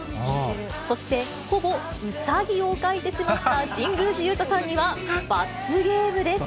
そして、ほぼうさぎを描いてしまった神宮寺勇太さんには、罰ゲームです。